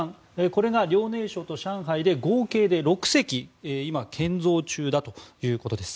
これが遼寧省と上海で合計で６隻今、建造中だということです。